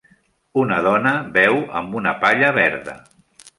Una dona beu amb una palla verda.